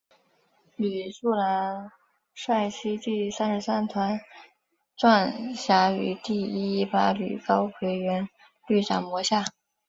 李树兰率其第三十三团转辖于第一一八旅高魁元旅长麾下。